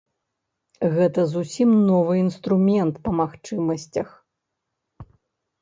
Гэта зусім новы інструмент па магчымасцях.